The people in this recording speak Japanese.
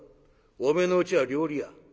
おめえのうちは料理屋。